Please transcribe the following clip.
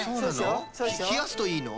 ひやすといいの？